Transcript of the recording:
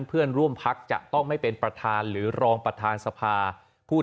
เพื่อนร่วมพักจะต้องไม่เป็นประธานหรือรองประธานสภาผู้